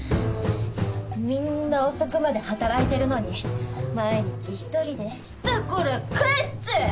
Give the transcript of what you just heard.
みんな遅くまで働いてるのに毎日１人でスタコラ帰って！